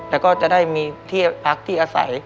แล้วก็จะได้มีที่พักที่อาศัย